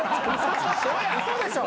嘘でしょ